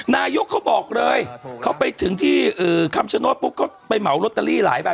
นายกเขาบอกเลยเขาไปถึงที่คำชโนธปุ๊บเขาไปเหมาลอตเตอรี่หลายใบ